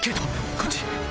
こっち。